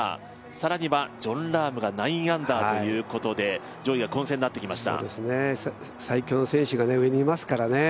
１１アンダー、更にはジョン・ラームが９アンダーということで、上位が混戦になってきました。